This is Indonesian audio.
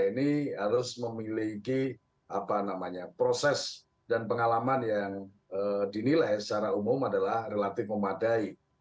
ini harus memiliki proses dan pengalaman yang dinilai secara umum adalah relatif memadai